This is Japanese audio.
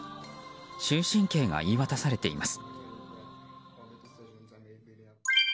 終身刑が言い渡されています。